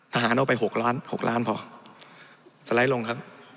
เอาไป๖ล้าน๖ล้านพอสไลด์ลงครับ